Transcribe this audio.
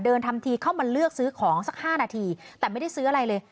ทำทีเข้ามาเลือกซื้อของสัก๕นาทีแต่ไม่ได้ซื้ออะไรเลย